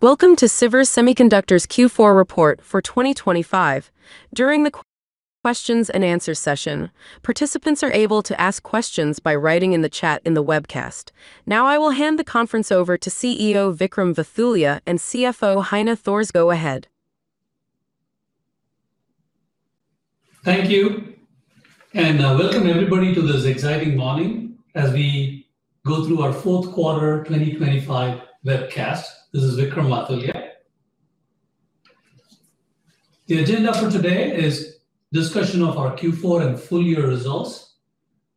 Welcome to Sivers Semiconductors's Q4 report for 2025. During the questions and answers session, participants are able to ask questions by writing in the chat in the webcast. I will hand the conference over to CEO, Vickram Vathulya, and CFO, Heine Thorsgaard ahead. Thank you, welcome everybody to this exciting morning as we go through our fourth quarter 2025 webcast. This is Vickram Vathulya. The agenda for today is discussion of our Q4 and full year results,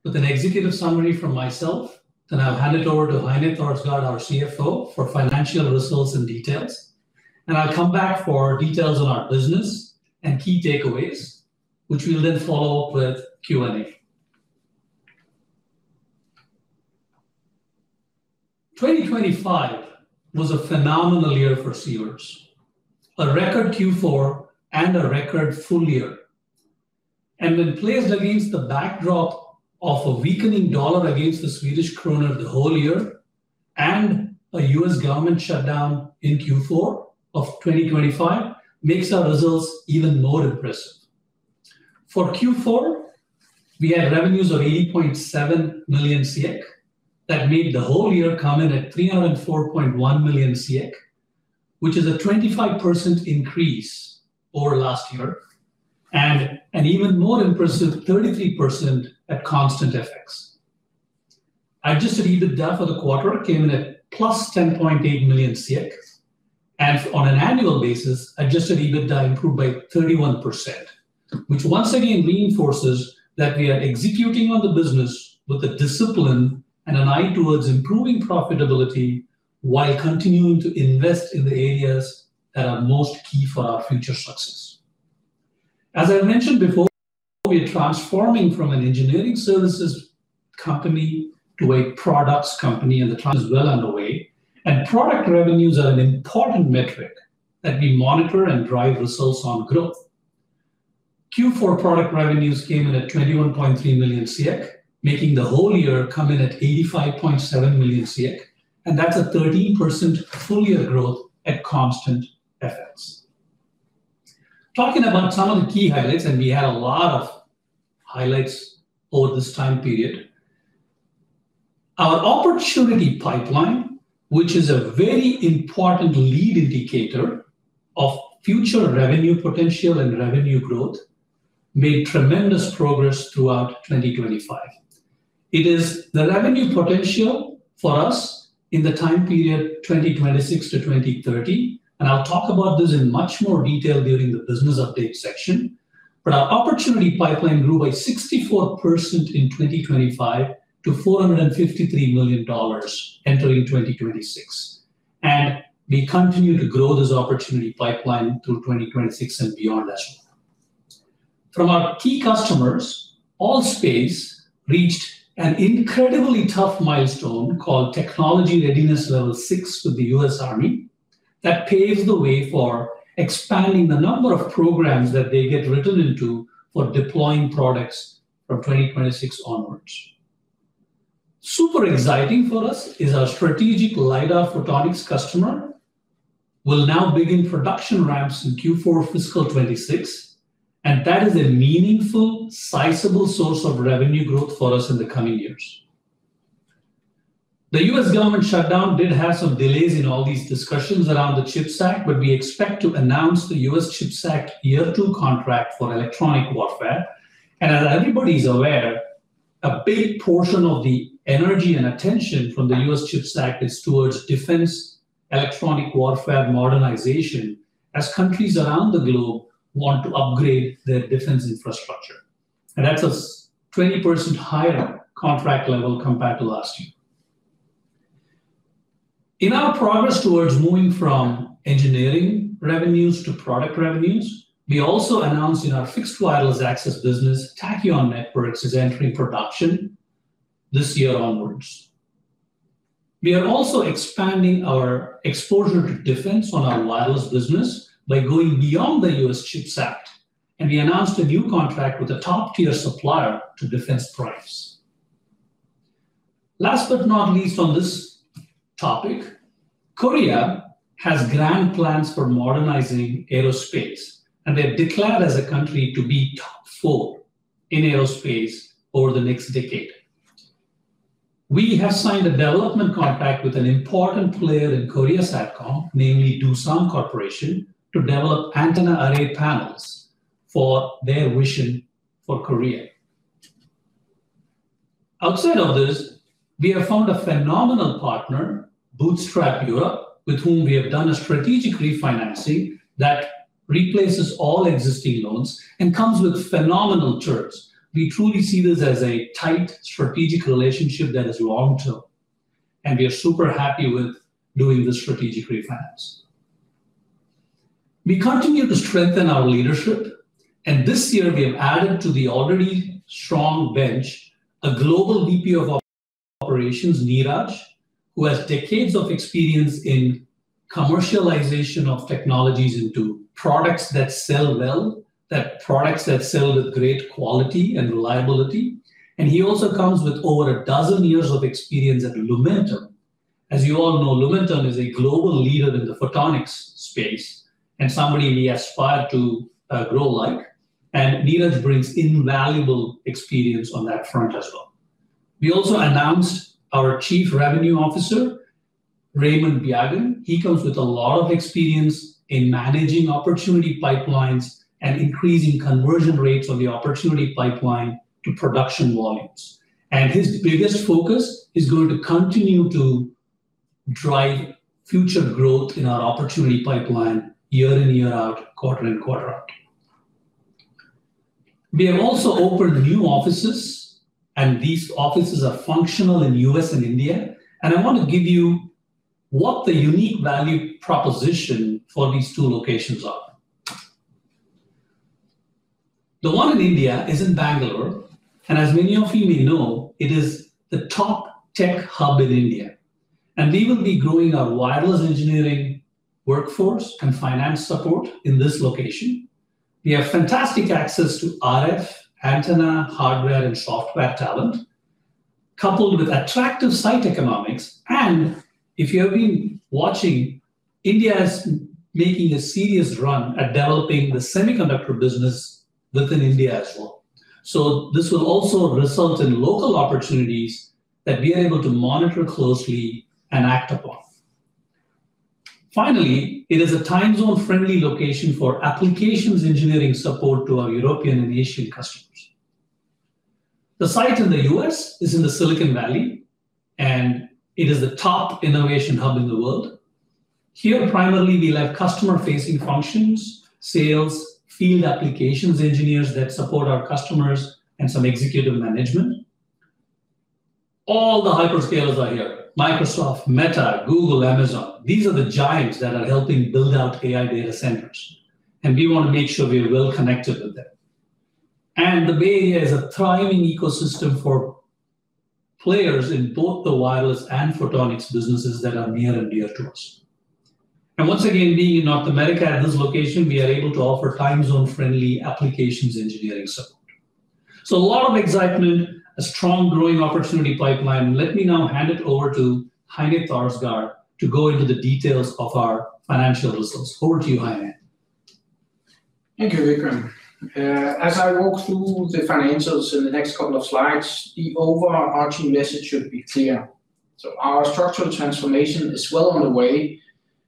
with an executive summary from myself. I'll hand it over to Heine Thorsgaard, our CFO, for financial results and details. I'll come back for details on our business and key takeaways, which we'll then follow up with Q&A. 2025 was a phenomenal year for Sivers, a record Q4 and a record full year. When placed against the backdrop of a weakening dollar against the Swedish krona the whole year, and a U.S. government shutdown in Q4 of 2025, makes our results even more impressive. For Q4, we had revenues of 80.7 million. That made the whole year come in at 304.1 million, which is a 25% increase over last year, and an even more impressive 33% at constant FX. Adjusted EBITDA for the quarter came in at +10.8 million. On an annual basis, Adjusted EBITDA improved by 31%, which once again reinforces that we are executing on the business with a discipline and an eye towards improving profitability while continuing to invest in the areas that are most key for our future success. As I mentioned before, we are transforming from an engineering services company to a products company. The time is well underway, and product revenues are an important metric that we monitor and drive results on growth. Q4 product revenues came in at 21.3 million, making the whole year come in at 85.7 million. That's a 13% full year growth at constant FX. Talking about some of the key highlights, we had a lot of highlights over this time period. Our opportunity pipeline, which is a very important lead indicator of future revenue potential and revenue growth, made tremendous progress throughout 2025. It is the revenue potential for us in the time period 2026 to 2030. I'll talk about this in much more detail during the business update section. Our opportunity pipeline grew by 64% in 2025 to $453 million entering 2026. We continue to grow this opportunity pipeline through 2026 and beyond as well. From our key customers, ALL.SPACE reached an incredibly tough milestone called Technology Readiness Level 6 with the U.S. Army. That paves the way for expanding the number of programs that they get written into for deploying products from 2026 onwards. Super exciting for us is our strategic LiDAR Photonics customer will now begin production ramps in Q4 fiscal 2026. That is a meaningful, sizable source of revenue growth for us in the coming years. The U.S. government shutdown did have some delays in all these discussions around the chip stack. We expect to announce the U.S. chip stack year two contract for Electronic Warfare. As everybody's aware, a big portion of the energy and attention from the U.S. chip stack is towards defense Electronic Warfare modernization, as countries around the globe want to upgrade their defense infrastructure. That's a 20% higher contract level compared to last year. In our progress towards moving from engineering revenues to product revenues, we also announced in our Fixed Wireless Access business, Tachyon Networks is entering production this year onwards. We are also expanding our exposure to defense on our wireless business by going beyond the U.S. Chips Act, and we announced a new contract with a top-tier supplier to defense price. Last but not least on this topic, Korea has grand plans for modernizing aerospace, and they have declared as a country to be top four in aerospace over the next decade. We have signed a development contract with an important player in Korea SATCOM, namely Doosan Corporation, to develop antenna array panels for their vision for Korea. Outside of this, we have found a phenomenal partner, Bootstrap Europe, with whom we have done a strategic refinancing that replaces all existing loans and comes with phenomenal terms. We truly see this as a tight strategic relationship that is long-term, and we are super happy with doing this strategic refinance. We continue to strengthen our leadership, and this year we have added to the already strong bench, a Global VP of Operations, Neeraj, who has decades of experience in commercialization of technologies into products that sell well, that products that sell with great quality and reliability. He also comes with over a dozen years of experience at Lumentum. As you all know, Lumentum is a global leader in the photonics space, and somebody we aspire to grow like, and Neeraj brings invaluable experience on that front as well. We also announced our Chief Revenue Officer, Raymond Biagan. He comes with a lot of experience in managing opportunity pipelines and increasing conversion rates of the opportunity pipeline to production volumes. His biggest focus is going to continue to drive future growth in our opportunity pipeline year in, year out, quarter in, quarter out. We have also opened new offices, and these offices are functional in U.S. and India, and I want to give you what the unique value proposition for these two locations are. The one in India is in Bangalore, and as many of you may know, it is the top tech hub in India, and we will be growing our wireless engineering workforce and finance support in this location. We have fantastic access to RF, antenna, hardware, and software talent, coupled with attractive site economics. If you have been watching, India is making a serious run at developing the semiconductor business within India as well. This will also result in local opportunities that we are able to monitor closely and act upon. Finally, it is a time zone-friendly location for applications engineering support to our European and Asian customers. The site in the U.S. is in the Silicon Valley, and it is the top innovation hub in the world. Here, primarily, we have customer-facing functions, sales, field applications engineers that support our customers, and some executive management. All the hyperscalers are here: Microsoft, Meta, Google, Amazon. These are the giants that are helping build out AI data centers, and we want to make sure we are well connected with them. The Bay Area is a thriving ecosystem for players in both the Wireless and Photonics businesses that are near and dear to us. Once again, being in North America at this location, we are able to offer time zone-friendly applications engineering support. A lot of excitement, a strong growing opportunity pipeline. Let me now hand it over to Heine Thorsgaard to go into the details of our financial results. Over to you, Heine. Thank you, Vickram. As I walk through the financials in the next couple of slides, the overarching message should be clear. Our structural transformation is well on the way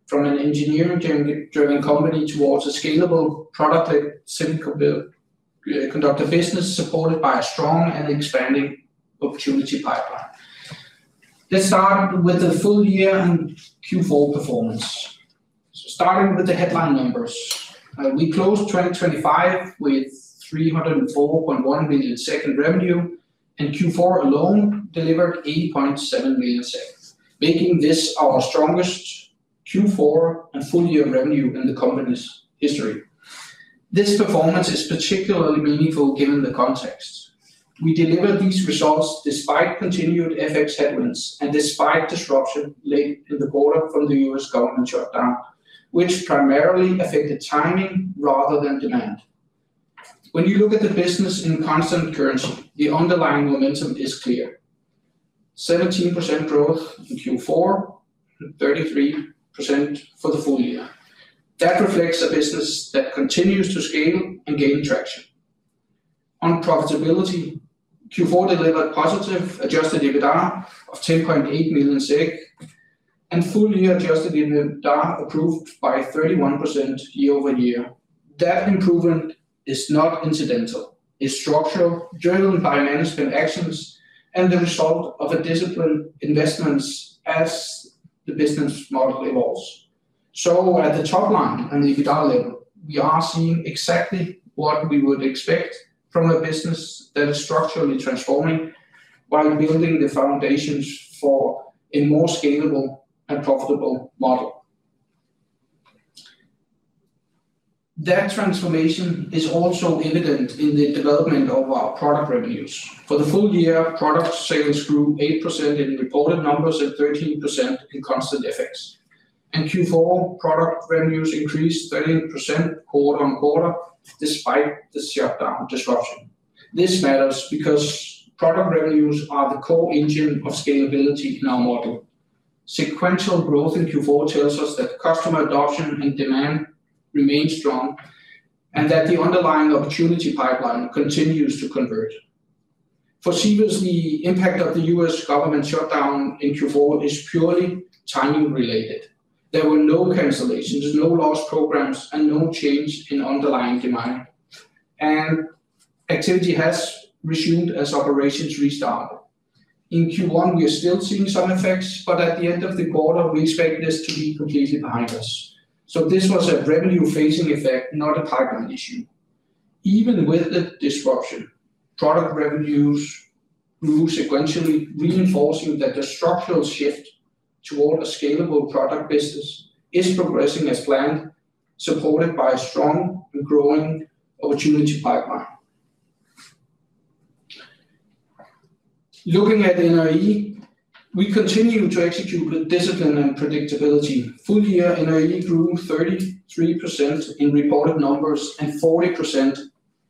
from an engineering-driven company towards a scalable product, a semiconductor business, supported by a strong and expanding opportunity pipeline. Let's start with the full year and Q4 performance. Starting with the headline numbers, we closed 2025 with 304.1 million in revenue. Q4 alone delivered 8.7 million, making this our strongest Q4 and full-year revenue in the company's history. This performance is particularly meaningful given the context. We delivered these results despite continued FX headwinds and despite disruption late in the quarter from the U.S. government shutdown, which primarily affected timing rather than demand. When you look at the business in constant currency, the underlying momentum is clear. 17% growth in Q4, and 33% for the full year. That reflects a business that continues to scale and gaining traction. On profitability, Q4 delivered positive Adjusted EBITDA of 10.8 million SEK, and full-year Adjusted EBITDA improved by 31% year-over-year. That improvement is not incidental. It's structural, driven by management actions and the result of a disciplined investments as the business model evolves. At the top line and the EBITDA level, we are seeing exactly what we would expect from a business that is structurally transforming while building the foundations for a more scalable and profitable model. That transformation is also evident in the development of our product revenues. For the full year, product sales grew 8% in reported numbers and 13% in constant FX. In Q4, product revenues increased 13% quarter-on-quarter, despite the shutdown disruption. This matters because product revenues are the core engine of scalability in our model. Sequential growth in Q4 tells us that customer adoption and demand remain strong, and that the underlying opportunity pipeline continues to convert. For Sivers, the impact of the U.S. government shutdown in Q4 is purely timing related. There were no cancellations, no lost programs, and no change in underlying demand, and activity has resumed as operations restarted. In Q1, we are still seeing some effects, but at the end of the quarter, we expect this to be completely behind us. This was a revenue-phasing effect, not a pipeline issue. Even with the disruption, product revenues grew sequentially, reinforcing that the structural shift toward a scalable product business is progressing as planned, supported by a strong and growing opportunity pipeline. Looking at NRE, we continue to execute with discipline and predictability. Full-year NRE grew 33% in reported numbers and 40%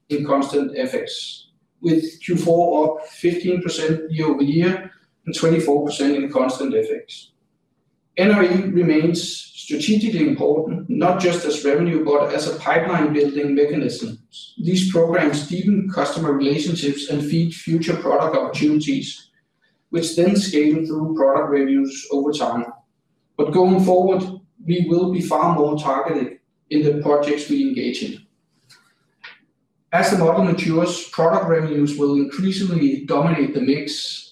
in constant FX, with Q4 up 15% year-over-year and 24% in constant FX. NRE remains strategically important, not just as revenue, as a pipeline building mechanism. These programs deepen customer relationships and feed future product opportunities, which then scale through product revenues over time. Going forward, we will be far more targeted in the projects we engage in. As the model matures, product revenues will increasingly dominate the mix,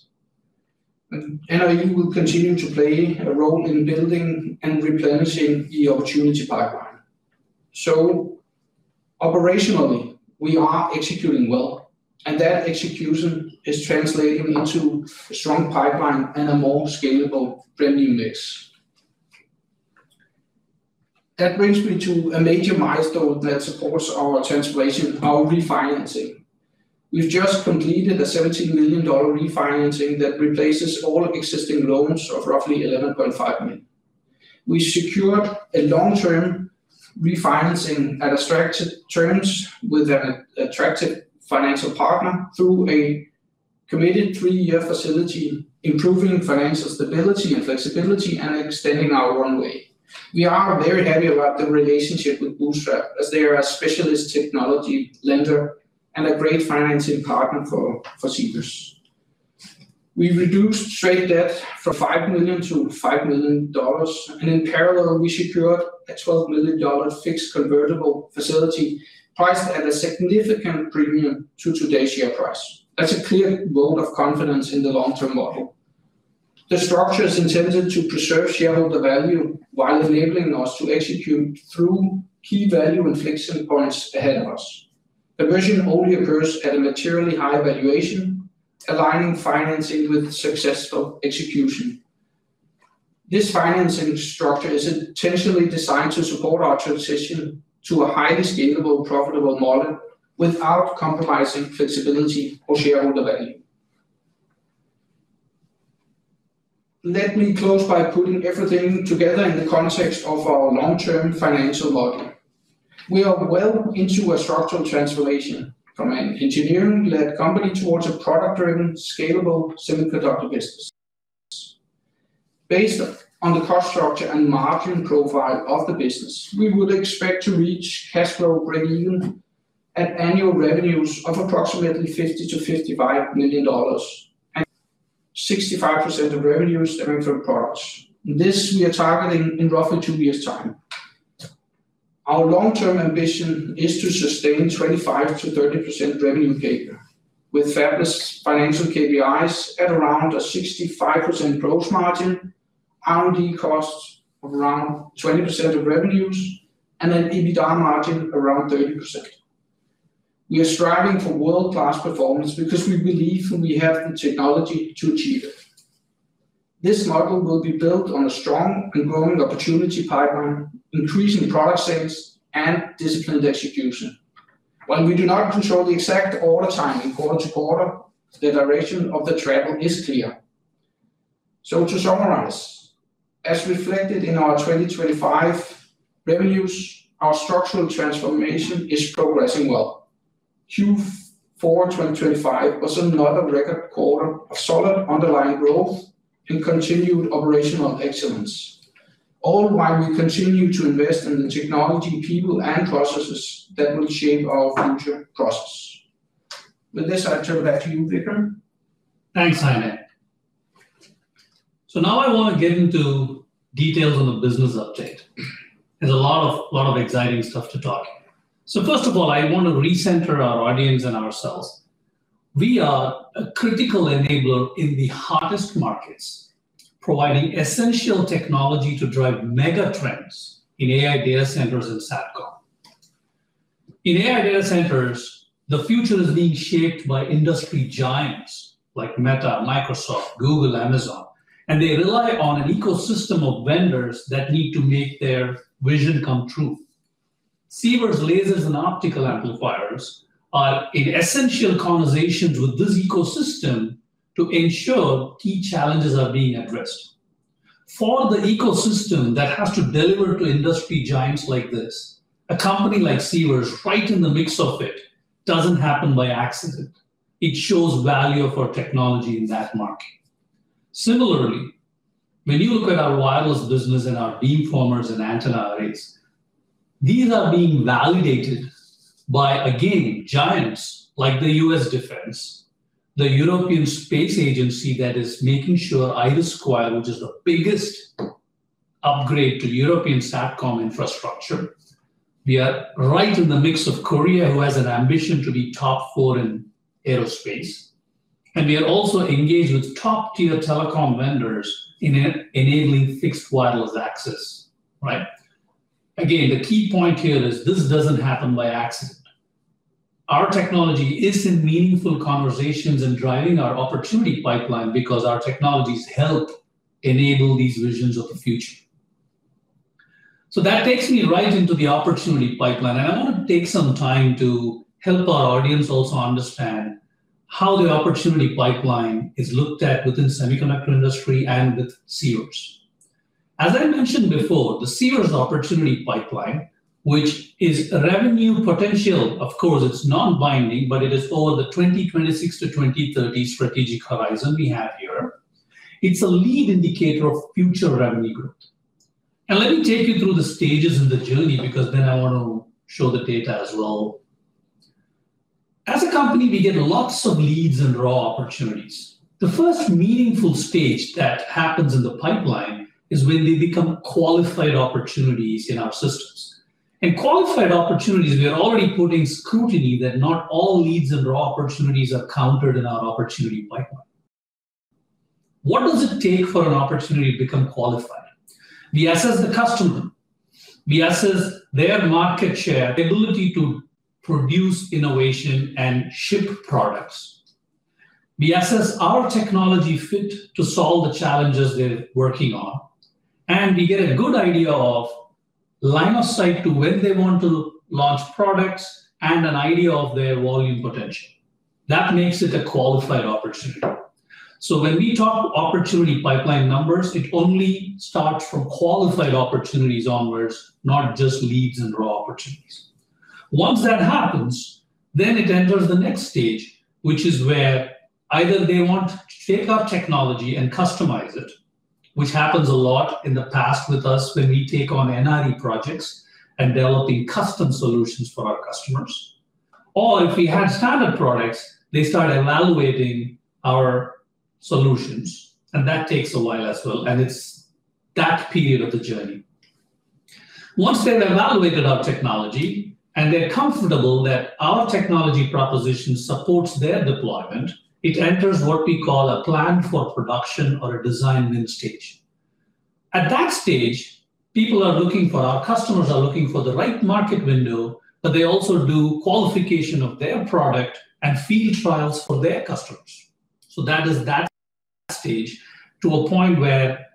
NRE will continue to play a role in building and replenishing the opportunity pipeline. Operationally, we are executing well, and that execution is translating into a strong pipeline and a more scalable revenue mix. That brings me to a major milestone that supports our transformation, our refinancing. We've just completed a $17 million refinancing that replaces all existing loans of roughly $11.5 million. We secured a long-term refinancing at attractive terms with an attractive financial partner through a committed three-year facility, improving financial stability and flexibility and extending our runway. We are very happy about the relationship with Bootstrap, as they are a specialist technology lender and a great financing partner for Sivers'. We reduced trade debt from $5 million to $5 million, and in parallel, we secured a $12 million fixed convertible facility priced at a significant premium to today's share price. That's a clear vote of confidence in the long-term model. The structure is intended to preserve shareholder value while enabling us to execute through key value inflection points ahead of us. A version only occurs at a materially higher valuation, aligning financing with successful execution. This financing structure is intentionally designed to support our transition to a highly scalable, profitable model without compromising flexibility or shareholder value. Let me close by putting everything together in the context of our long-term financial model. We are well into a structural transformation from an engineering-led company towards a product-driven, scalable semiconductor business. Based on the cost structure and margin profile of the business, we would expect to reach cash flow breakeven at annual revenues of approximately $50 million-$55 million, and 65% of revenue stemming from products. This we are targeting in roughly two years' time. Our long-term ambition is to sustain 25%-30% revenue CAGR, with fabless financial KPIs at around a 65% gross margin, R&D costs of around 20% of revenues, and an EBITDA margin around 30%. We are striving for world-class performance because we believe we have the technology to achieve it. This model will be built on a strong and growing opportunity pipeline, increasing product sales, and disciplined execution. While we do not control the exact order time in quarter to quarter, the direction of the travel is clear. To summarize, as reflected in our 2025 revenues, our structural transformation is progressing well. Q4 2025 was another record quarter of solid underlying growth and continued operational excellence, all while we continue to invest in the technology, people, and processes that will shape our future costs. With this, I'll turn it back to you, Vickram. Thanks, Heine. Now I want to get into details on the business update. There's a lot of exciting stuff to talk. First of all, I want to recenter our audience and ourselves. We are a critical enabler in the hottest markets, providing essential technology to drive mega trends in AI data centers and SATCOM. In AI data centers, the future is being shaped by industry giants like Meta, Microsoft, Google, Amazon, and they rely on an ecosystem of vendors that need to make their vision come true. Sivers' lasers and optical amplifiers are in essential conversations with this ecosystem to ensure key challenges are being addressed. For the ecosystem that has to deliver to industry giants like this, a company like Sivers' right in the mix of it doesn't happen by accident. It shows value of our technology in that market. Similarly, when you look at our Wireless business and our beamformers and antenna arrays, these are being validated by, again, giants like the U.S. Defense, the European Space Agency, that is making sure Iris², which is the biggest upgrade to European SATCOM infrastructure. We are right in the mix of Korea, who has an ambition to be top four in aerospace, and we are also engaged with top-tier telecom vendors in enabling Fixed Wireless Access, right? The key point here is this doesn't happen by accident. Our technology is in meaningful conversations and driving our opportunity pipeline because our technologies help enable these visions of the future. That takes me right into the opportunity pipeline, and I want to take some time to help our audience also understand how the opportunity pipeline is looked at within semiconductor industry and with Sivers. As I mentioned before, the Sivers' opportunity pipeline, which is a revenue potential, of course, it's non-binding, but it is for the 2026 to 2030 strategic horizon we have here. It's a lead indicator of future revenue growth. Let me take you through the stages in the journey, because then I want to show the data as well. As a company, we get lots of leads and raw opportunities. The first meaningful stage that happens in the pipeline is when they become qualified opportunities in our systems. In qualified opportunities, we are already putting scrutiny that not all leads, and raw opportunities are counted in our opportunity pipeline. What does it take for an opportunity to become qualified? We assess the customer, we assess their market share, the ability to produce innovation and ship products. We assess our technology fit to solve the challenges they're working on, and we get a good idea of line of sight to when they want to launch products and an idea of their volume potential. That makes it a qualified opportunity. When we talk opportunity pipeline numbers, it only starts from qualified opportunities onwards, not just leads and raw opportunities. Once that happens, it enters the next stage, which is where either they want to take our technology and customize it, which happens a lot in the past with us when we take on NRE projects and developing custom solutions for our customers. If we have standard products, they start evaluating our solutions, and that takes a while as well, and it's that period of the journey. Once they've evaluated our technology and they're comfortable that our technology proposition supports their deployment, it enters what we call a plan for production or a design win stage. At that stage, our customers are looking for the right market window. They also do qualification of their product and field trials for their customers. That is that stage, to a point where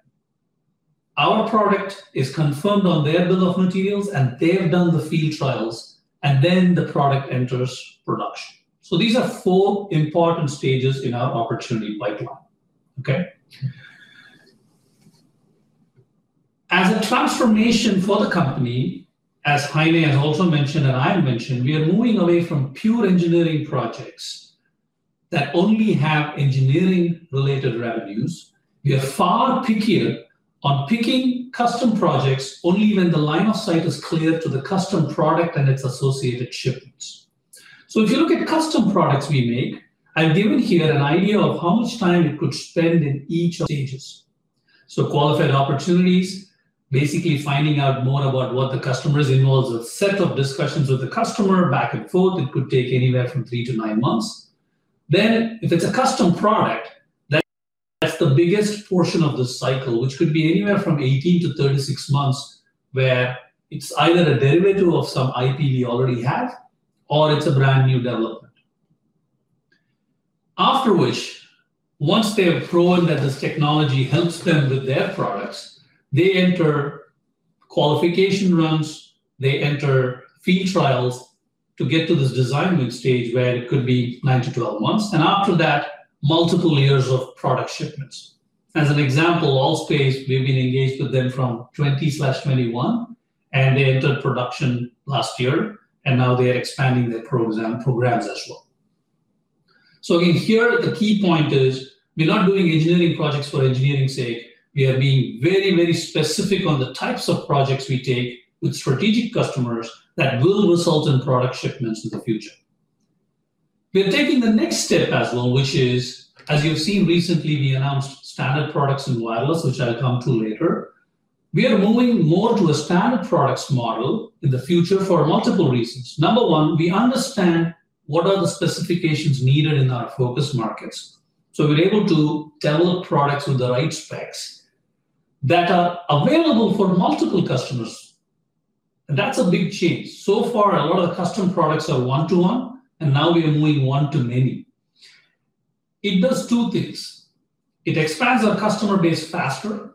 our product is confirmed on their bill of materials, and they've done the field trials, and then the product enters production. These are four important stages in our opportunity pipeline. Okay? As a transformation for the company, as Heine has also mentioned, and I have mentioned, we are moving away from pure engineering projects that only have engineering-related revenues. We are far pickier on picking custom projects only when the line of sight is clear to the custom product and its associated shipments. If you look at custom products we make, I've given here an idea of how much time it could spend in each stages. Qualified opportunities, basically finding out more about what the customer is, involves a set of discussions with the customer back and forth, it could take anywhere from three to nine months. If it's a custom product, then that's the biggest portion of the cycle, which could be anywhere from 18-36 months, where it's either a derivative of some IP we already have or it's a brand-new development. After which, once they have proven that this technology helps them with their products, they enter qualification runs, they enter field trials to get to this design win stage, where it could be nine to 12 months, and after that, multiple years of product shipments. As an example, ALL.SPACE, we've been engaged with them from 2020/2021, and they entered production last year, and now they are expanding their programs as well. In here, the key point is, we're not doing engineering projects for engineering's sake. We are being very, very specific on the types of projects we take with strategic customers that will result in product shipments in the future. We are taking the next step as well, which is, as you've seen recently, we announced standard products in Wireless, which I'll come to later. We are moving more to a standard products model in the future for multiple reasons. Number one, we understand what the specifications are needed in our focus markets. We're able to develop products with the right specs that are available for multiple customers. That's a big change. So far, a lot of the custom products are one to one, and now we are moving one to many. It does two things. It expands our customer base faster,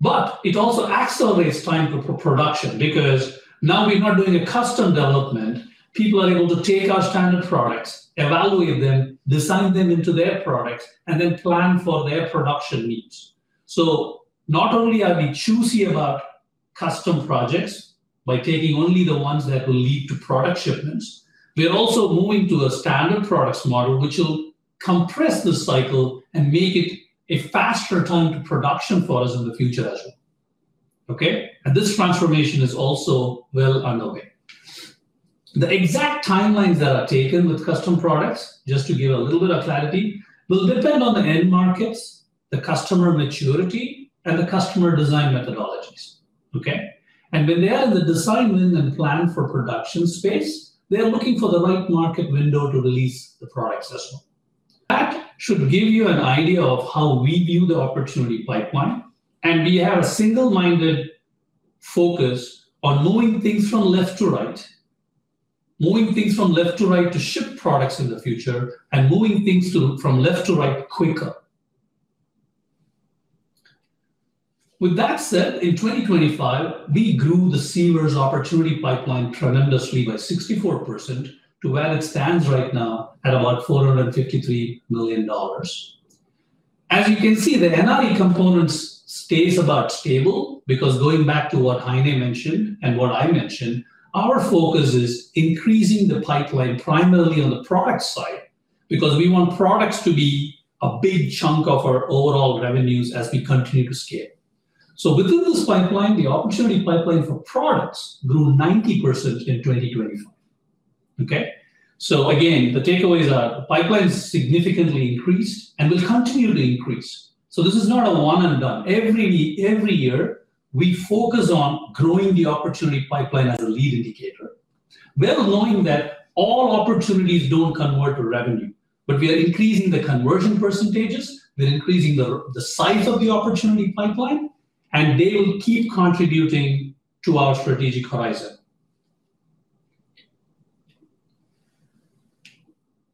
but it also accelerates time for production, because now we're not doing a custom development, people are able to take our standard products, evaluate them, design them into their products, and then plan for their production needs. Not only are we choosy about custom projects by taking only the ones that will lead to product shipments, we are also moving to a standard products model, which will compress the cycle and make it a faster time to production for us in the future as well. This transformation is also well underway. The exact timelines that are taken with custom products, just to give a little bit of clarity, will depend on the end markets, the customer maturity, and the customer design methodologies. When they are in the design win and plan for production space, they are looking for the right market window to release the products as well. That should give you an idea of how we view the opportunity pipeline, and we have a single-minded focus on moving things from left to right, moving things from left to right to ship products in the future, and moving things to, from left to right quicker. With that said, in 2025, we grew the Sivers' opportunity pipeline tremendously by 64%, to where it stands right now at about $453 million. As you can see, the NRE components stays about stable because going back to what Heine mentioned and what I mentioned, our focus is increasing the pipeline primarily on the product side, because we want products to be a big chunk of our overall revenues as we continue to scale. Within this pipeline, the opportunity pipeline for products grew 90% in 2025, okay? Again, the takeaways are: the pipeline is significantly increased and will continue to increase. This is not a one and done. Every year, we focus on growing the opportunity pipeline as a lead indicator. We are knowing that all opportunities don't convert to revenue, but we are increasing the conversion percentages, we're increasing the size of the opportunity pipeline, and they will keep contributing to our strategic horizon.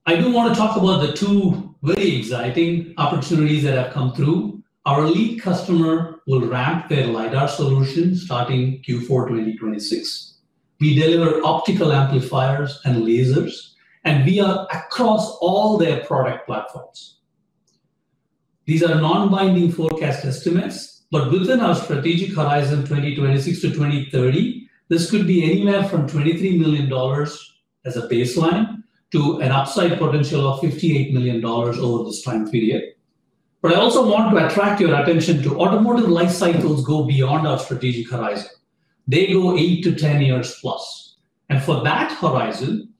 I do want to talk about the two very exciting opportunities that have come through. Our lead customer will ramp their LiDAR solution starting Q4, 2026. We deliver optical amplifiers and lasers, and we are across all their product platforms. These are non-binding forecast estimates, within our strategic horizon, 2026 to 2030, this could be anywhere from $23 million as a baseline to an upside potential of $58 million over this time period. I also want to attract your attention to automotive life cycles go beyond our strategic horizon. They go eight to 10 years plus, and for that horizon,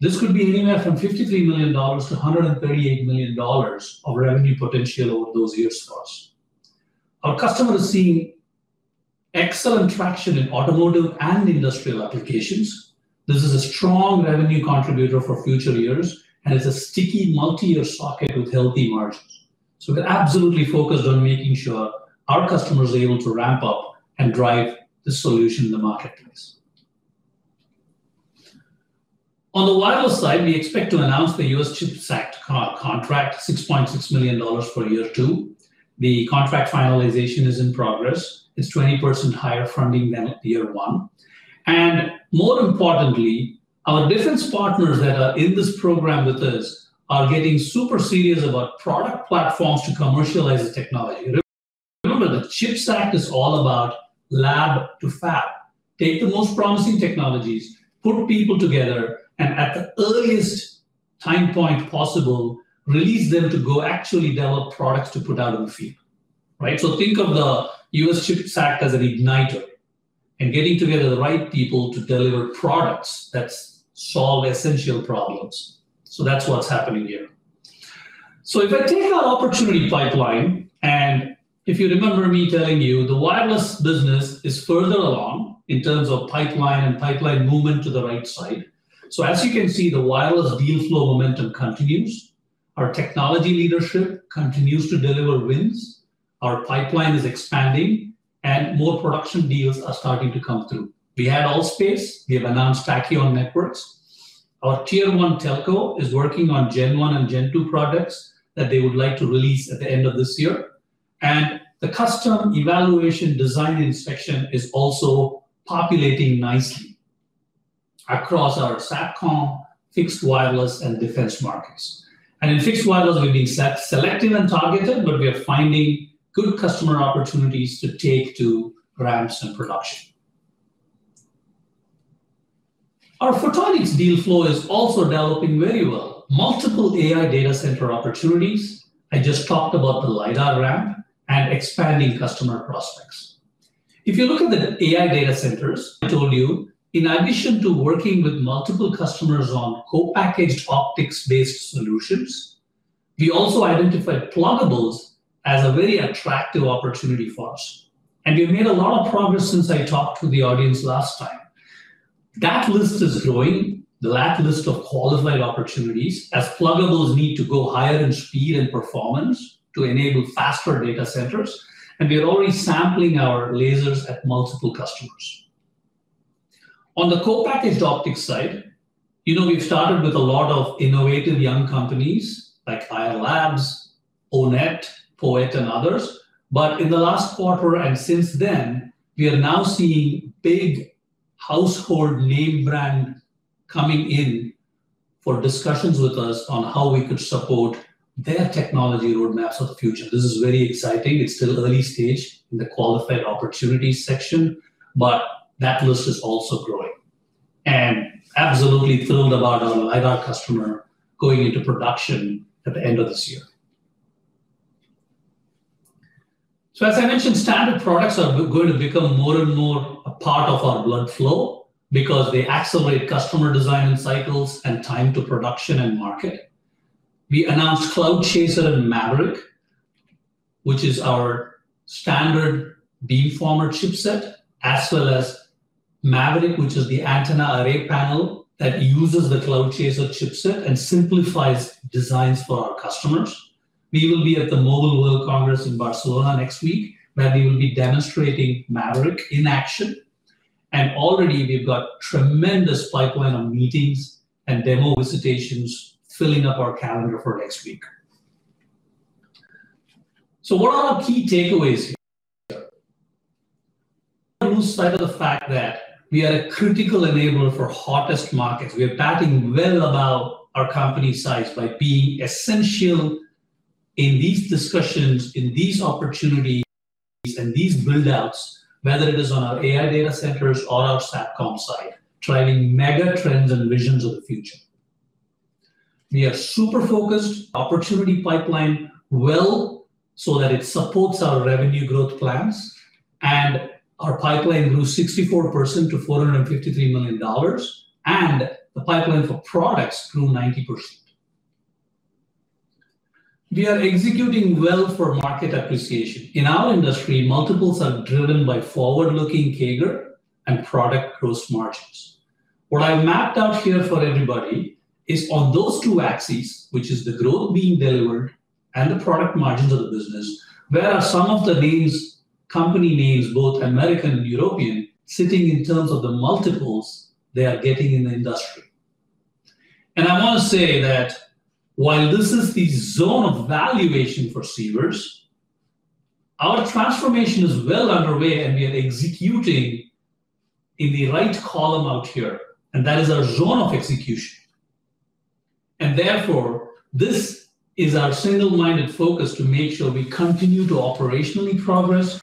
this could be anywhere from $53 million-$138 million of revenue potential over those years plus. Our customers see excellent traction in automotive and industrial applications. This is a strong revenue contributor for future years, and it's a sticky multi-year socket with healthy margins. We're absolutely focused on making sure our customers are able to ramp up and drive the solution in the marketplace. On the Wireless side, we expect to announce the U.S. Chips Act contract, $6.6 million for year two. The contract finalization is in progress. It's 20% higher funding than at year one. More importantly, our defense partners that are in this program with us are getting super serious about product platforms to commercialize this technology. Remember, the U.S. Chips Act is all about lab-to-fab. Take the most promising technologies, put people together, at the earliest time point possible, release them to go actually develop products to put out in the field. Right? Think of the U.S. Chips Act as an igniter, getting together the right people to deliver products that solve essential problems. That's what's happening here. If I take our opportunity pipeline, and if you remember me telling you, the Wireless business is further along in terms of pipeline and pipeline movement to the right side. As you can see, the Wireless deal flow momentum continues. Our technology leadership continues to deliver wins, our pipeline is expanding, and more production deals are starting to come through. We had ALL.SPACE, we have announced Tachyon Networks. Our Tier 1 telco is working on Gen 1 and Gen 2 products that they would like to release at the end of this year, and the custom evaluation design inspection is also populating nicely across our SATCOM, Fixed Wireless, and Defense markets. In Fixed Wireless, we've been selective and targeted, but we are finding good customer opportunities to take to ramps and production. Our Photonics deal flow is also developing very well. Multiple AI data center opportunities. I just talked about the LiDAR ramp and expanding customer prospects. If you look at the AI data centers, I told you, in addition to working with multiple customers on Co-Packaged Optics-based solutions, we also identified pluggables as a very attractive opportunity for us, and we've made a lot of progress since I talked to the audience last time. That list is growing, the last list of qualified opportunities, as pluggables need to go higher in speed and performance to enable faster data centers, and we are already sampling our lasers at multiple customers. On the Co-Packaged Optics side, you know, we've started with a lot of innovative young companies like Ayar Labs, O-Net, POET, and others, but in the last quarter and since then, we are now seeing big household name brand coming in for discussions with us on how we could support their technology roadmaps of the future. This is very exciting. It's still early stage in the qualified opportunities section, but that list is also growing. Absolutely thrilled about our LiDAR customer going into production at the end of this year. As I mentioned, standard products are going to become more and more a part of our blood flow because they accelerate customer design cycles and time to production and market. We announced Cloudchaser and Maverick, which is our standard beamformer chipset, as well as Maverick, which is the antenna array panel that uses the Cloudchaser chipset and simplifies designs for our customers. We will be at the Mobile World Congress in Barcelona next week, where we will be demonstrating Maverick in action, and already we've got tremendous pipeline of meetings and demo visitations filling up our calendar for next week. What are our key takeaways here? lose sight of the fact that we are a critical enabler for hottest markets. We are batting well above our company size by being essential in these discussions, in these opportunities, and these build-outs, whether it is on our AI data centers or our SATCOM side, driving mega trends and visions of the future. We are super focused, opportunity pipeline well, so that it supports our revenue growth plans. Our pipeline grew 64% to $453 million, and the pipeline for products grew 90%. We are executing well for market appreciation. In our industry, multiples are driven by forward-looking CAGR and product gross margins. What I mapped out here for everybody is on those two axes, which is the growth being delivered and the product margins of the business, where are some of the names, company names, both American and European, sitting in terms of the multiples they are getting in the industry? I want to say that while this is the zone of valuation for Sivers, our transformation is well underway, and we are executing in the right column out here, and that is our zone of execution. Therefore, this is our single-minded focus to make sure we continue to operationally progress,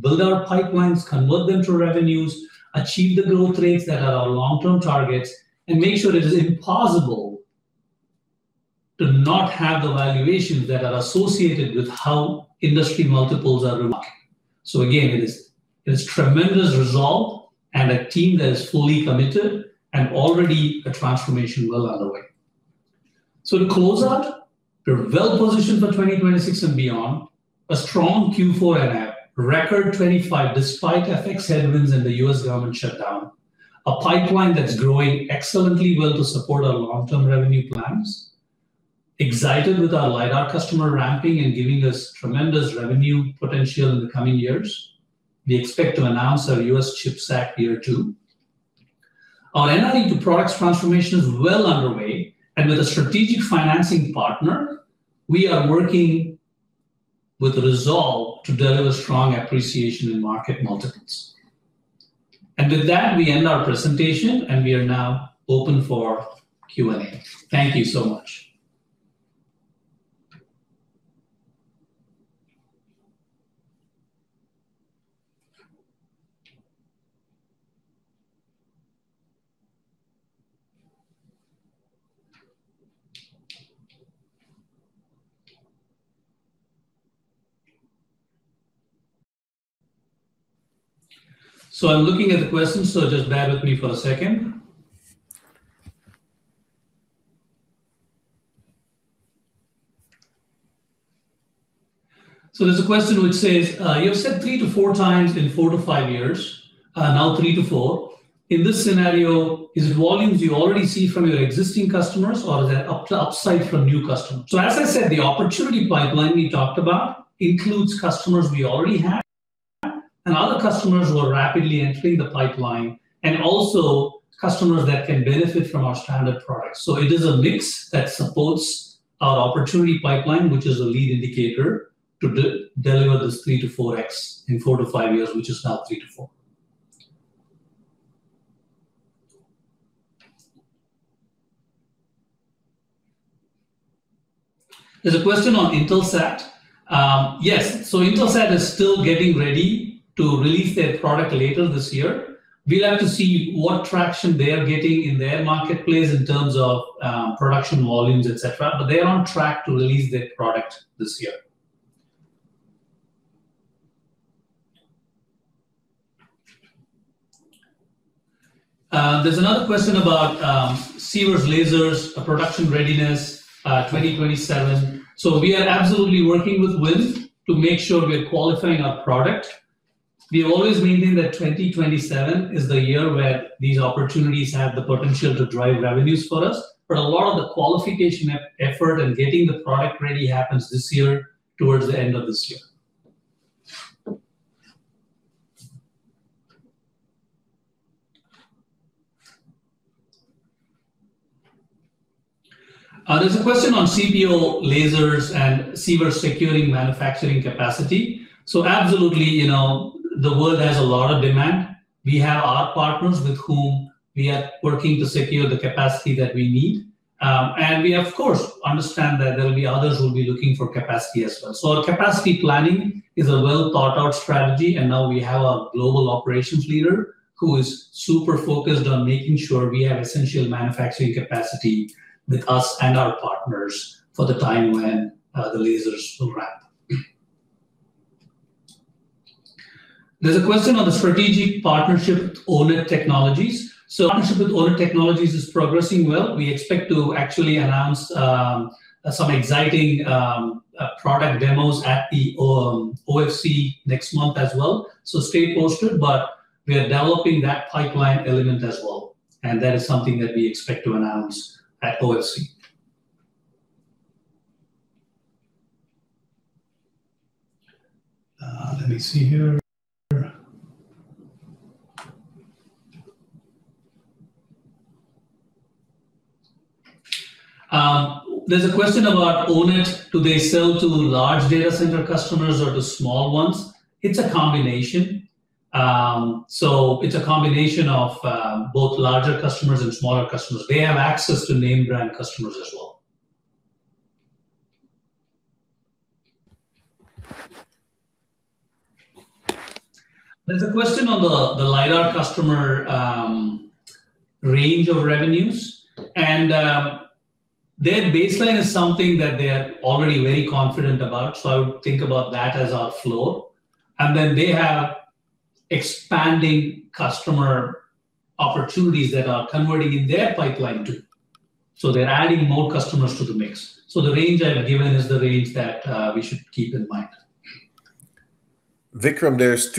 build our pipelines, convert them to revenues, achieve the growth rates that are our long-term targets, and make sure it is impossible to not have the valuations that are associated with how industry multiples are remarking. Again, it is, it's tremendous resolve and a team that is fully committed and already a transformation well underway. To close out, we're well positioned for 2026 and beyond. A strong Q4 and half, record 2025, despite FX headwinds and the U.S. government shutdown. A pipeline that's growing excellently well to support our long-term revenue plans. Excited with our LiDAR customer ramping and giving us tremendous revenue potential in the coming years. We expect to announce our U.S. CHIPS Act year two. Our NRE to products transformation is well underway, and with a strategic financing partner, we are working with resolve to deliver strong appreciation in market multiples. With that, we end our presentation, and we are now open for Q&A. Thank you so much. I'm looking at the questions, so just bear with me for a second. There's a question which says, you have said 3-4 times in 4-5 years, now 3-4. In this scenario, is it volumes you already see from your existing customers, or is that upside from new customers? As I said, the opportunity pipeline we talked about includes customers we already have, and other customers who are rapidly entering the pipeline, and also customers that can benefit from our standard products. It is a mix that supports our opportunity pipeline, which is a lead indicator, to de-deliver this 3-4x in 4-5 years, which is now 3-4. There's a question on Intelsat. Yes, Intelsat is still getting ready to release their product later this year. We'll have to see what traction they are getting in their marketplace in terms of production volumes, et cetera, but they are on track to release their product this year. There's another question about Sivers lasers, production readiness, 2027. We are absolutely working with WIN to make sure we're qualifying our product. We always maintain that 2027 is the year where these opportunities have the potential to drive revenues for us, but a lot of the qualification effort and getting the product ready happens this year, towards the end of this year. There's a question on CPO lasers and Sivers securing manufacturing capacity. Absolutely, you know, the world has a lot of demand. We have our partners with whom we are working to secure the capacity that we need. We, of course, understand that there will be others who will be looking for capacity as well. Our capacity planning is a well-thought-out strategy, and now we have a global operations leader who is super focused on making sure we have essential manufacturing capacity with us and our partners for the time when the lasers will ramp. There's a question on the strategic partnership with O-Net Technologies. Partnership with O-Net Technologies is progressing well. We expect to actually announce some exciting product demos at the OFC next month as well. Stay posted, but we are developing that pipeline element as well, and that is something that we expect to announce at OFC. Let me see here. There's a question about O-Net: do they sell to large data center customers or the small ones? It's a combination. It's a combination of both larger customers and smaller customers. They have access to name brand customers as well. There's a question on the LiDAR customer range of revenues. Their baseline is something that they are already very confident about. I would think about that as our floor. They have expanding customer opportunities that are converting in their pipeline, too. They're adding more customers to the mix. The range I've given is the range that we should keep in mind. Vickram, there's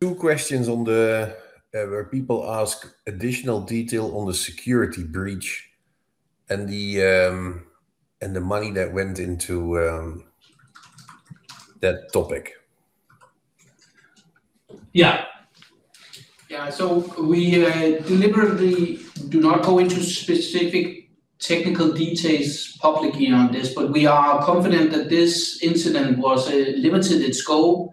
two questions on the where people ask additional detail on the security breach and the and the money that went into that topic. Yeah. We deliberately do not go into specific technical details publicly on this, but we are confident that this incident was limited in scope,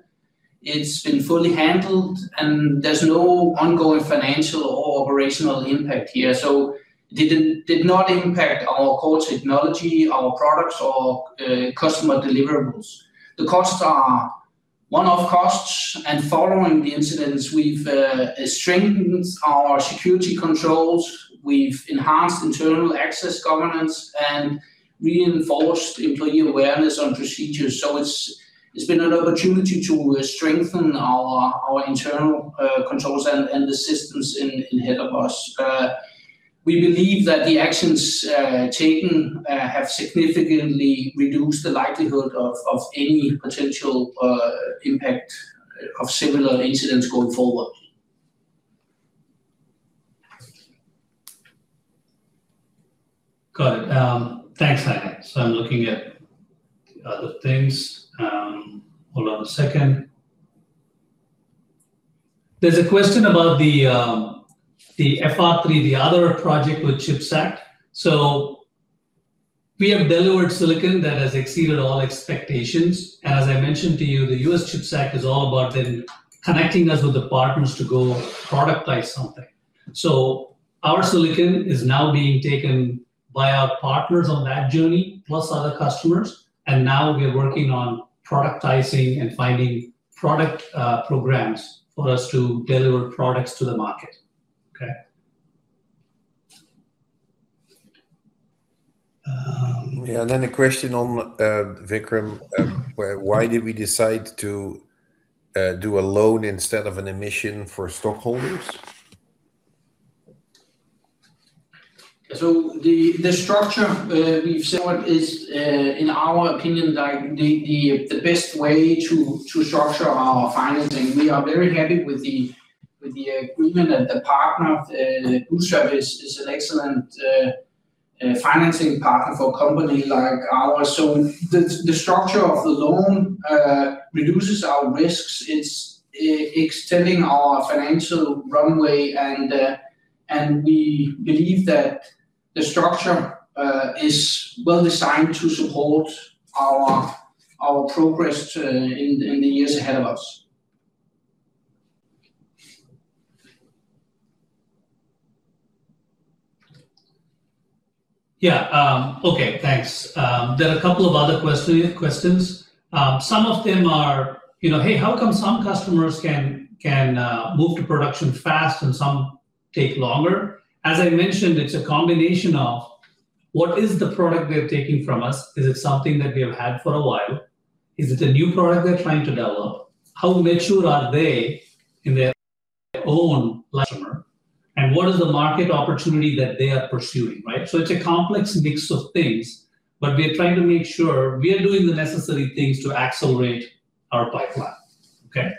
it's been fully handled, and there's no ongoing financial or operational impact here. It did not impact our core technology, our products, or customer deliverables. The costs are one-off costs, and following the incidents, we've strengthened our security controls, we've enhanced internal access governance, and reinforced employee awareness on procedures. It's been an opportunity to strengthen our internal controls and the systems ahead of us. We believe that the actions taken have significantly reduced the likelihood of any potential impact of similar incidents going forward. Got it. Thanks, Heine. I'm looking at other things. Hold on a second. There's a question about the FR3, the other project with Chiplet. We have delivered silicon that has exceeded all expectations. As I mentioned to you, the U.S. Chiplet is all about then connecting us with the partners to go productize something. Our silicon is now being taken by our partners on that journey, plus other customers, and now we are working on productizing and finding product programs for us to deliver products to the market. Okay. A question on, Vikram, why did we decide to do a loan instead of an emission for stockholders? The structure we've selected is, in our opinion, like the best way to structure our financing. We are very happy with the agreement, and the partner, Bootstrap Europe, is an excellent financing partner for a company like ours. The structure of the loan reduces our risks. It's extending our financial runway, and we believe that the structure is well-designed to support our progress in the years ahead of us. Yeah. Okay. Thanks. There are a couple of other questions. Some of them are, you know, "Hey, how come some customers can move to production fast and some take longer?" As I mentioned, it's a combination of what is the product they're taking from us? Is it something that we have had for a while? Is it a new product they're trying to develop? How mature are they in their own customer, and what is the market opportunity that they are pursuing, right? It's a complex mix of things, but we are trying to make sure we are doing the necessary things to accelerate our pipeline. Okay?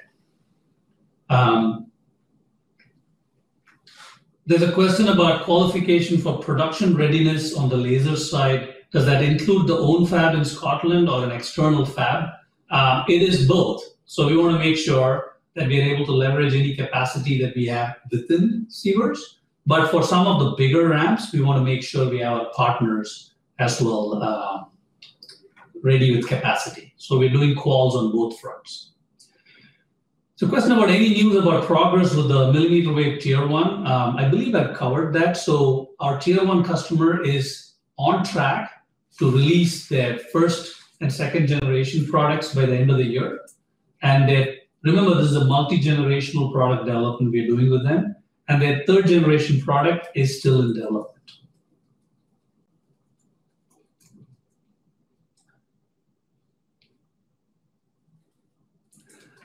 There's a question about qualification for production readiness on the laser side. Does that include the own fab in Scotland or an external fab? It is both. We want to make sure that we are able to leverage any capacity that we have within Sivers, but for some of the bigger ramps, we want to make sure we have our partners as well, ready with capacity. We're doing calls on both fronts. Question about any news about progress with the millimeter wave Tier one? I believe I've covered that. Our Tier one customer is on track to release their first- and second-generation products by the end of the year, and their Remember, this is a multi-generational product development we are doing with them, and their third-generation product is still in development.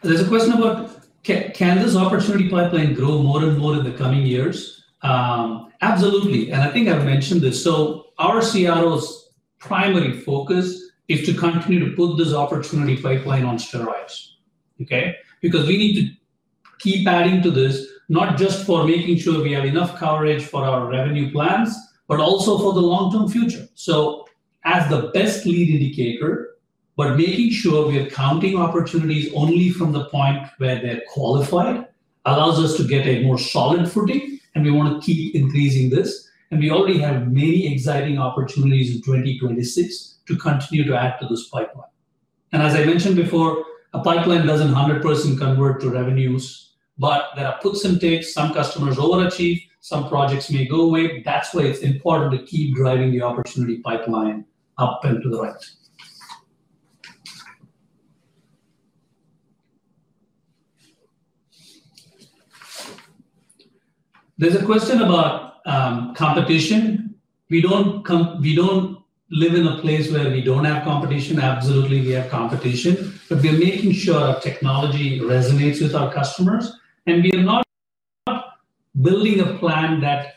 There's a question about can this opportunity pipeline grow more and more in the coming years? Absolutely, and I think I've mentioned this. Our CRO's primary focus is to continue to build this opportunity pipeline on steroids, okay? Because we need to keep adding to this, not just for making sure we have enough coverage for our revenue plans, but also for the long-term future. As the best lead indicator. Making sure we are counting opportunities only from the point where they're qualified, allows us to get a more solid footing, and we want to keep increasing this. We already have many exciting opportunities in 2026 to continue to add to this pipeline. As I mentioned before, a pipeline doesn't 100% convert to revenues, but there are puts and takes. Some customers overachieve, some projects may go away. That's why it's important to keep driving the opportunity pipeline up and to the right. There's a question about, competition. We don't live in a place where we don't have competition. Absolutely, we have competition, but we are making sure our technology resonates with our customers, and we are not building a plan that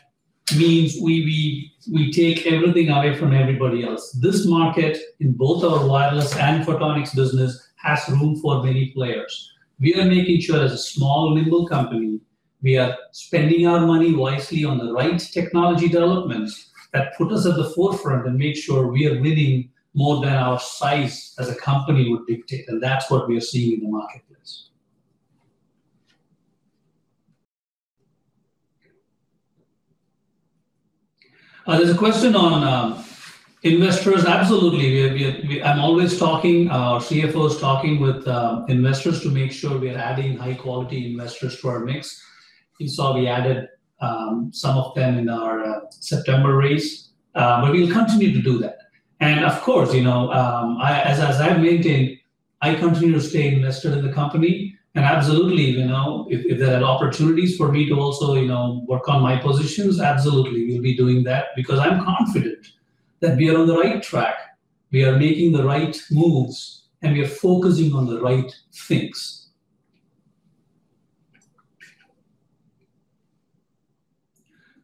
means we take everything away from everybody else. This market, in both our Wireless and Photonics business, has room for many players. We are making sure as a small, nimble company, we are spending our money wisely on the right technology developments that put us at the forefront and make sure we are winning more than our size as a company would dictate, and that's what we are seeing in the marketplace. There's a question on investors. Absolutely, I'm always talking, our CFO is talking with investors to make sure we are adding high-quality investors to our mix. You saw we added some of them in our September raise, but we'll continue to do that. Of course, you know, I, as I maintain, I continue to stay invested in the company. Absolutely, you know, if there are opportunities for me to also, you know, work on my positions, absolutely, we'll be doing that because I'm confident that we are on the right track, we are making the right moves, and we are focusing on the right things.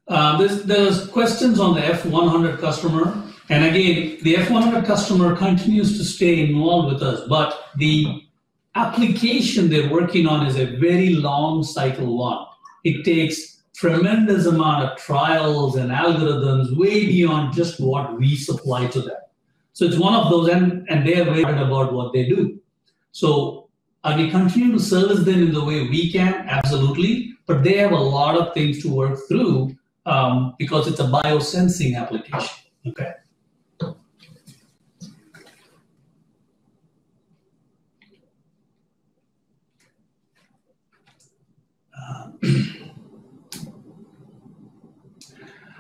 There was questions on the F100 customer, and again, the F100 customer continues to stay involved with us, but the application they're working on is a very long cycle one. It takes tremendous amount of trials and algorithms way beyond just what we supply to them. It's one of those, and they are great about what they do. Are we continuing to service them in the way we can? Absolutely. They have a lot of things to work through because it's a biosensing application. Okay.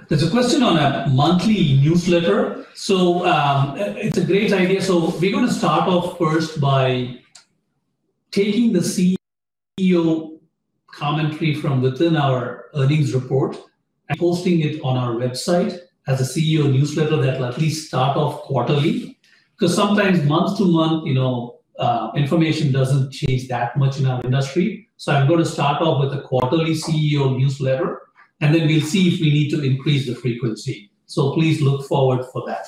There's a question on a monthly newsletter. It's a great idea. We're going to start off first by taking the CEO commentary from within our earnings report and posting it on our website as a CEO newsletter that will at least start off quarterly, because sometimes month to month, you know, information doesn't change that much in our industry. I'm going to start off with a quarterly CEO newsletter, and then we'll see if we need to increase the frequency. Please look forward for that.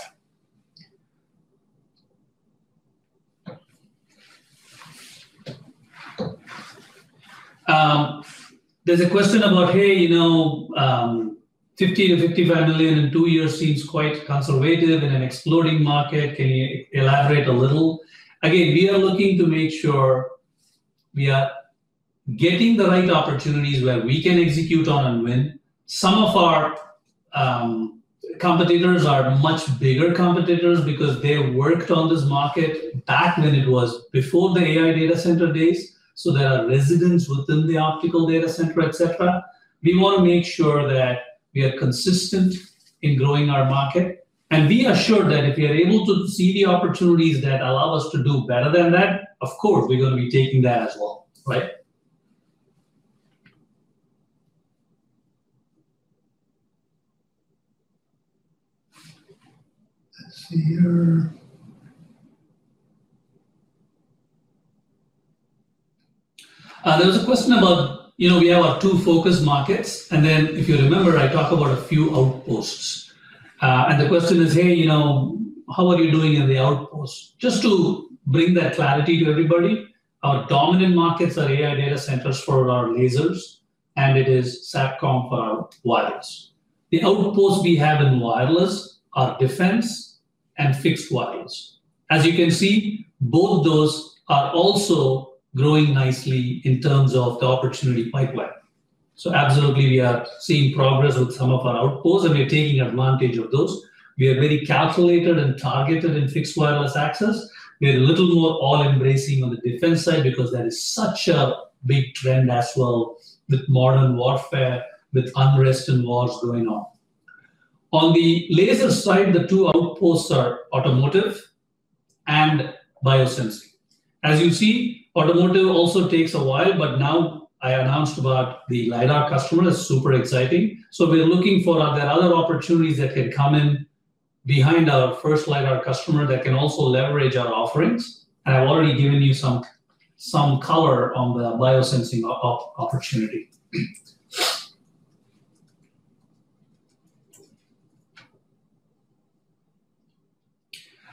There's a question about, hey, you know, 50-55 million in 2 years seems quite conservative in an exploding market. Can you elaborate a little? Again, we are looking to make sure we are getting the right opportunities where we can execute on and win. Some of our competitors are much bigger competitors because they worked on this market back when it was before the AI data center days, so there are residents within the optical data center, etc. We want to make sure that we are consistent in growing our market, and we are sure that if we are able to see the opportunities that allow us to do better than that, of course, we're going to be taking that as well, right? Let's see here. There was a question about, you know, we have our two focus markets, and then if you remember, I talked about a few outposts. The question is: Hey, you know, how are you doing in the outposts? Just to bring that clarity to everybody, our dominant markets are AI data centers for our lasers. It is SATCOM for our Wireless. The outposts we have in Wireless are Defense and Fixed Wireless. As you can see, both those are also growing nicely in terms of the opportunity pipeline. Absolutely, we are seeing progress with some of our outposts, and we are taking advantage of those. We are very calculated and targeted in Fixed Wireless Access. We are a little more all-embracing on the defense side because that is such a big trend as well with modern warfare, with unrest and wars going on. On the laser side, the two outposts are automotive and biosensing. As you see, automotive also takes a while. Now I announced about the LiDAR customer, is super exciting. We're looking for there are other opportunities that can come in behind our first LiDAR customer that can also leverage our offerings, and I've already given you some color on the biosensing opportunity.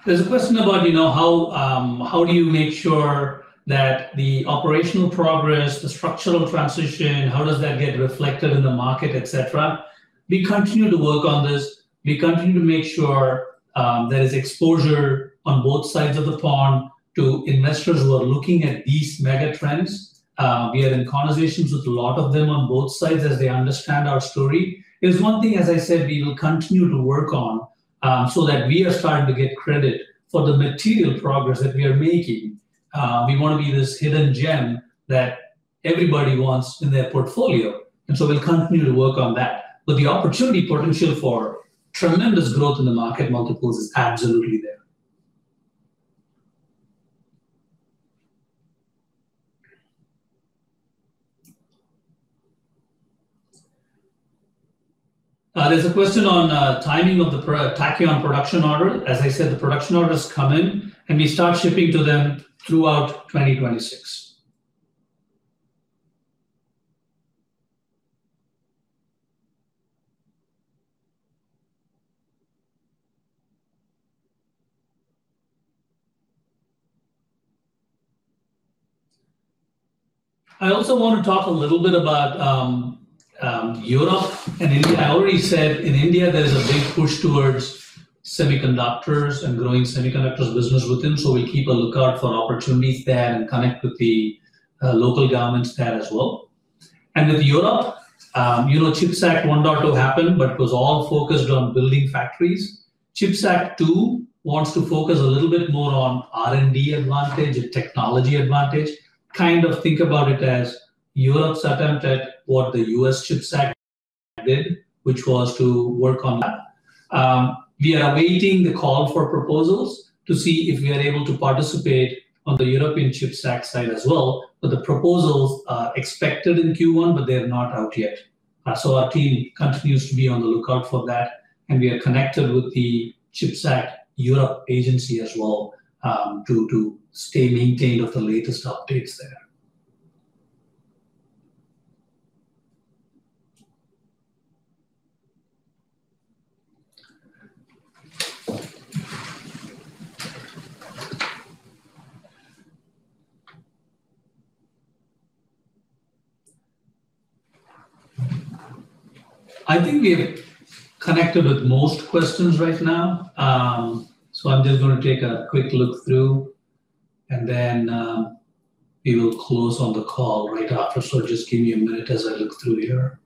There's a question about, you know, how do you make sure that the operational progress, the structural transition, how does that get reflected in the market, etc.? We continue to work on this. We continue to make sure there is exposure on both sides of the pond to investors who are looking at these mega trends. We are in conversations with a lot of them on both sides as they understand our story. It is one thing, as I said, we will continue to work on so that we are starting to get credit for the material progress that we are making. We want to be this hidden gem that everybody wants in their portfolio. We'll continue to work on that. The opportunity potential for tremendous growth in the market multiples is absolutely there. There's a question on timing of the Tachyon production order. As I said, the production orders come in, and we start shipping to them throughout 2026. I also want to talk a little bit about Europe and India. I already said in India, there is a big push towards semiconductors and growing semiconductors business with them. We keep a lookout for opportunities there and connect with the local governments there as well. With Europe, you know, U.S. Chips Act 1 happened. It was all focused on building factories. Chips Act 2 wants to focus a little bit more on R&D advantage and technology advantage. Kind of think about it as Europe's attempt at what the U.S. Chips Act did, which was to work on that. We are awaiting the call for proposals to see if we are able to participate on the European Chips Act side as well. The proposals are expected in Q1. They are not out yet. Our team continues to be on the lookout for that, and we are connected with the Chips Act Europe agency as well to stay maintained of the latest updates there. I think we have connected with most questions right now. I'm just going to take a quick look through, and then we will close on the call right after. Just give me a minute as I look through here.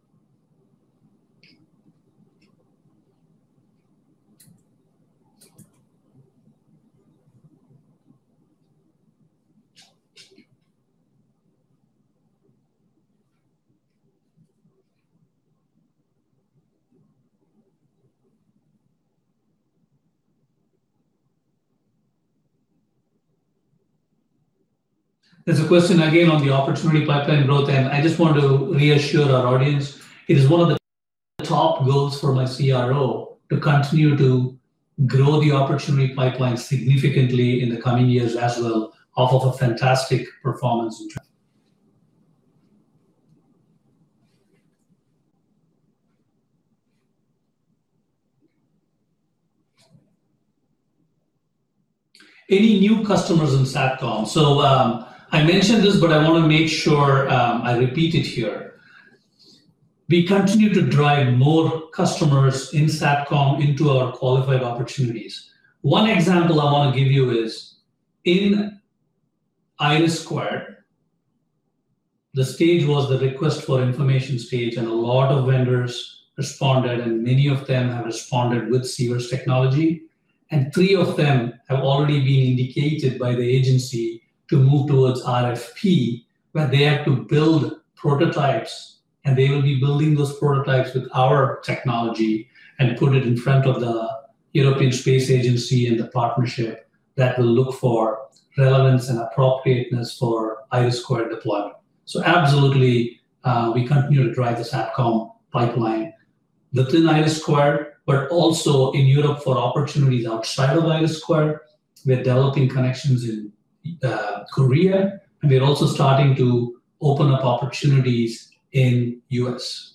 There's a question again on the opportunity pipeline growth, and I just want to reassure our audience, it is one of the top goals for my CRO to continue to grow the opportunity pipeline significantly in the coming years as well, off of a fantastic performance. Any new customers in SATCOM? I mentioned this, but I want to make sure I repeat it here. We continue to drive more customers in SATCOM into our qualified opportunities. One example I want to give you is, in Iris², the stage was the request for information stage, and a lot of vendors responded, and many of them have responded with Sivers' technology. Three of them have already been indicated by the agency to move towards RFP, where they have to build prototypes, and they will be building those prototypes with our technology and put it in front of the European Space Agency and the partnership that will look for relevance and appropriateness for Iris² deployment. Absolutely, we continue to drive the SATCOM pipeline, not only in Iris², but also in Europe for opportunities outside of Iris². We're developing connections in Korea, and we're also starting to open up opportunities in U.S.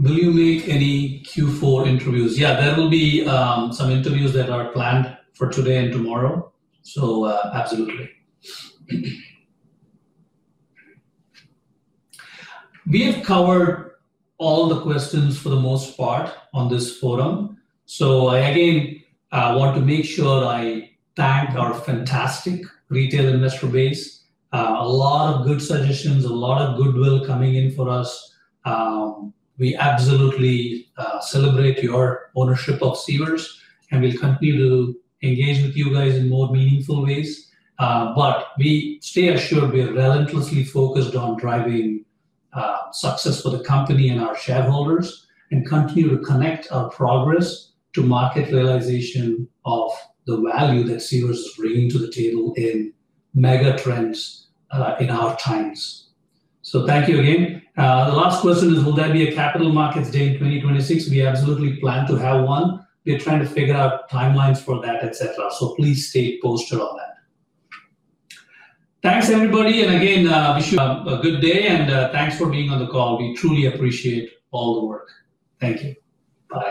Will you make any Q4 interviews? Yeah, there will be some interviews that are planned for today and tomorrow, so, absolutely. We have covered all the questions for the most part on this forum. Again, I want to make sure I thank our fantastic retail investor base. A lot of good suggestions, a lot of goodwill coming in for us. We absolutely celebrate your ownership of Sivers, and we'll continue to engage with you guys in more meaningful ways. But we stay assured we are relentlessly focused on driving success for the company and our shareholders and continue to connect our progress to market realization of the value that Sivers is bringing to the table in mega trends in our times. Thank you again. The last question is, will there be a Capital Markets Day in 2026? We absolutely plan to have one. We are trying to figure out timelines for that, etc. Please stay posted on that. Thanks, everybody, and again, wish you a good day, and thanks for being on the call. We truly appreciate all the work. Thank you. Bye.